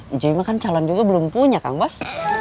ijo ijo kan calon juga belum punya kang bos